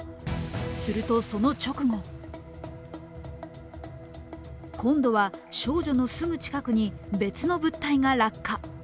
すると、その直後今度は少女のすぐ近くに別の物体が落下。